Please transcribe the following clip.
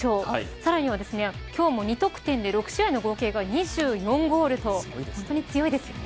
さらには今日も２得点で６試合の合計が２４ゴールと本当に強いですよね。